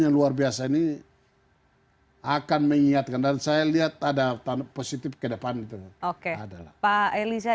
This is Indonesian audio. yang luar biasa ini akan mengingatkan dan saya lihat ada positif ke depan itu oke adalah pak eliza